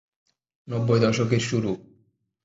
নব্বই দশকের শুরু।